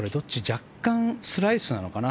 若干スライスなのかな。